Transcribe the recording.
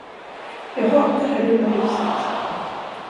Jag hatar det här dumma huset.